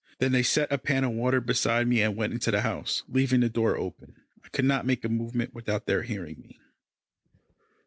Then they set a pan of water beside me and went into the house, leaving the door open. I could not make a movement without their hearing me.